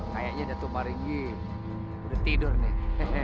kayaknya jatuh marigi udah tidur nih